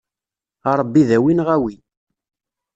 A Ṛebbi dawi neɣ awi.